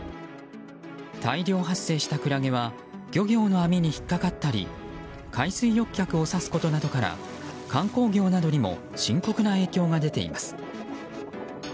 大量発生したクラゲは漁業の網に引っかかったり海水浴客を刺すことなどから観光業などにも深刻な影響が出ています。